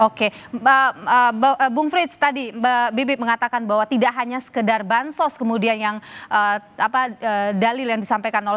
oke bung frits tadi bibi mengatakan bahwa tidak hanya sekedar bansos kemudian yang dalil yang disampaikan satu dan tiga